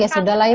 ya sudah lah ya